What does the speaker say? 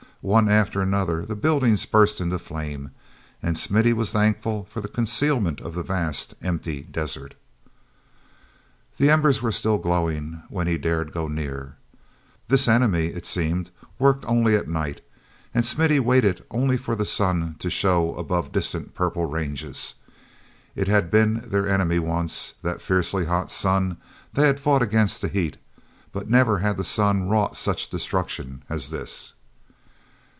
One after another the buildings burst into flame, and Smithy was thankful for the concealment of the vast, empty desert. he embers were still glowing when he dared go near. This enemy, it seemed, worked only at night, and Smithy waited only for the sun to show above distant purple ranges. It had been their enemy once, that fiercely hot sun; they had fought against the heat—but never had the sun wrought such destruction as this.